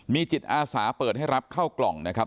มีจิตอาสาเปิดให้รับเข้ากล่องนะครับ